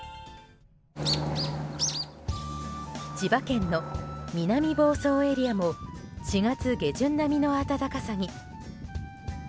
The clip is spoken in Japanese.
千葉県の南房総エリアも４月下旬並みの暖かさに。